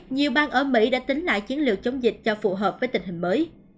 nhiều bang ở mỹ đã tính lại chiến lược chống dịch cho phù hợp với tình hình mới